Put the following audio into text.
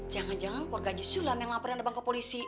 jangan jangan keluarga aji sulam yang laporan beban ke polisi